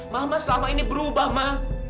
mama selama ini berubah mah